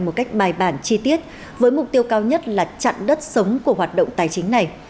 một cách bài bản chi tiết với mục tiêu cao nhất là chặn đất sống của hoạt động tài chính này